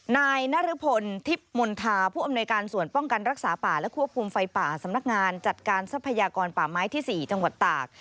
นายนรพลทิพย์มณฑาผู้อำนวยการส่วนป้องกันรักษาป่าและควบคุมไฟป่าสำนักงานจัดการทรัพยากรป่าไม้ที่๔จังหวัดตาก